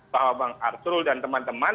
bahwa bang arsul dan teman teman